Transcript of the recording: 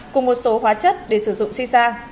cùng một số hóa chất để sử dụng sisa